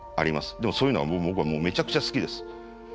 でもそういうのは僕はめちゃくちゃ好きです。